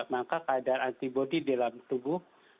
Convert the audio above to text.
maka kadar antibody dalam tubuh